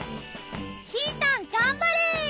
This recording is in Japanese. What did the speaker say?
ひーたん頑張れ！